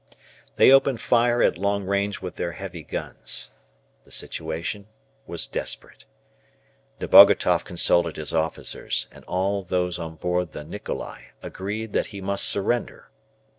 They opened fire at long range with their heavy guns. The situation was desperate. Nebogatoff consulted his officers, and all those on board the "Nikolai" agreed that he must surrender.